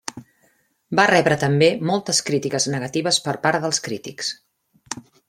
Va rebre també moltes crítiques negatives per part dels crítics.